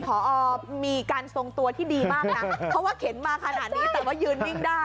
พอมีการทรงตัวที่ดีมากนะเพราะว่าเข็นมาขนาดนี้แต่ว่ายืนนิ่งได้